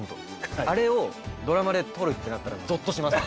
あれをドラマで撮るってなったらぞっとします。